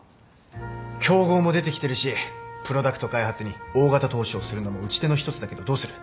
競合も出てきてるしプロダクト開発に大型投資をするのも打ち手の一つだけどどうする？